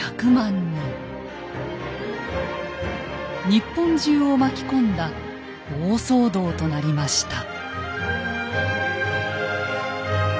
日本中を巻き込んだ大騒動となりました。